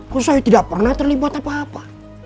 kusoy tidak pernah terlibat apa apa